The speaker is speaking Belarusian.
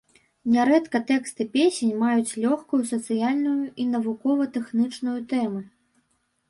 Нярэдка тэксты песень маюць лёгкую сацыяльную і навукова-тэхнічную тэмы.